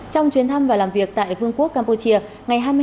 trong chuyến thăm và làm việc tại vương quốc campuchia